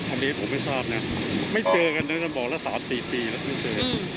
อันนี้ผมไม่ทราบนะไม่เจอกันตั้งแต่บอกละ๓๔ปีแล้วไม่เจอ